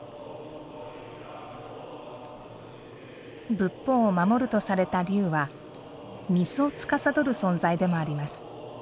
仏法を守るとされた龍は水をつかさどる存在でもあります。